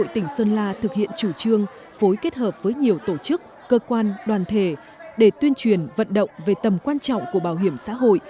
tỉnh sơn la thực hiện chủ trương phối kết hợp với nhiều tổ chức cơ quan đoàn thể để tuyên truyền vận động về tầm quan trọng của bảo hiểm xã hội